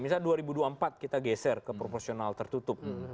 misalnya dua ribu dua puluh empat kita geser ke proporsional tertutup